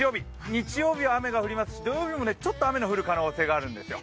日曜日は雨が降りますし、土曜日もちょっと雨の降る可能性があるんですよ。